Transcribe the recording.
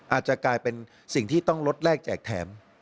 อาจจะกลายเป็นสิ่งที่ต้องลดแรกแจกแถม